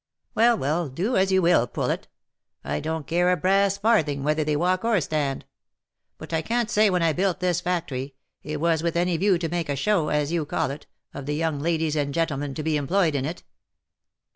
" Well, well ! do as you will, Poulet. I dont care a brass farthing whether they walk or stand ; and I can't say when I built this factory, it was with any view to make a show, as you call it, of the young ladies and gentlemen to be employed in it."